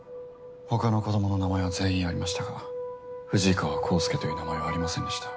他の子供の名前は全員ありましたが藤川孝介という名前はありませんでした。